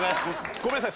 ごめんなさい。